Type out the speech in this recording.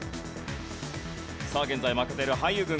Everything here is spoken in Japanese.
さあ現在負けている俳優軍。